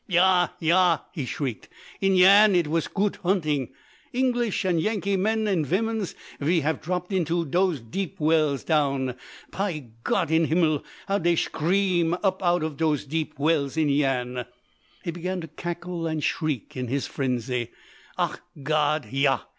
"Ja! Ja!" he shrieked, "in Yian it vas a goot hunting! English and Yankee men und vimmens ve haff dropped into dose deep wells down. Py Gott in Himmel, how dey schream up out of dose deep wells in Yian!" He began to cackle and shriek in his frenzy. "Ach Gott ja!